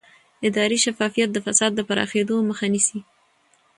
اداري شفافیت د فساد د پراخېدو مخه نیسي